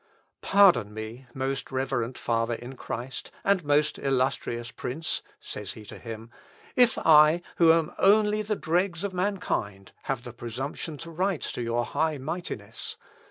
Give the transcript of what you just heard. "Pardon me, most reverend Father in Christ, and most illustrious Prince," says he to him, "if I, who am only the dregs of mankind, have the presumption to write your High Mightiness.